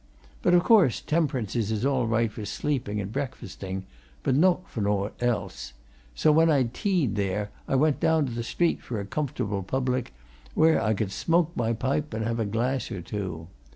But of course, temp'rances is all right for sleeping and braikfasting, but nowt for owt else, so when I'd tea'd there, I went down t' street for a comfortable public, where I could smoke my pipe and have a glass or two.